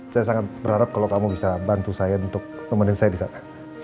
saya sangat berharap kalau kamu bisa bantu saya untuk nemenin saya di sana